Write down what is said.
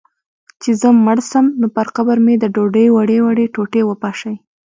چي زه مړ سم، نو پر قبر مي د ډوډۍ وړې وړې ټوټې وپاشی